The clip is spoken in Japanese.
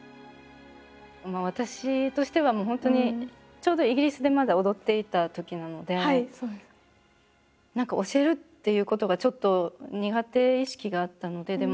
私としてはもう本当にちょうどイギリスでまだ踊っていたときなので何か教えるっていうことがちょっと苦手意識があったので。